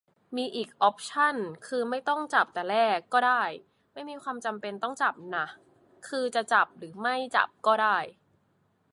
มีอีกออปชัน คือไม่ต้องจับแต่แรกก็ได้ ไม่มีความจำเป็นต้องจับน่ะ คือจะจับหรือไม่จับก็ได้